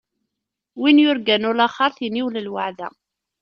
Win yurgan ulaxeṛt, iniwel lweɛda!